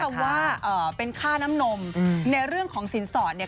คำว่าเป็นค่าน้ำนมในเรื่องของสินสอดเนี่ย